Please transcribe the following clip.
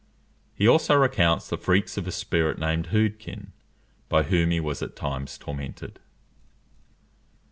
He also recounts the freaks of a spirit named Hudekin, by whom he was at times tormented.